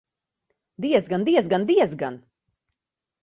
Diezgan, diezgan, diezgan!